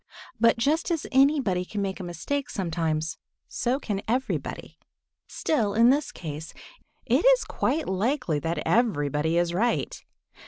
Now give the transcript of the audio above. But just as anybody can make a mistake sometimes, so can everybody. Still, in this case, it is quite likely that everybody is right.